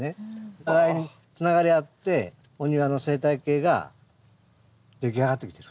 お互いにつながり合ってお庭の生態系が出来上がってきてる。